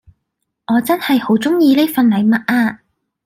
我真係好鍾意呢份禮物呀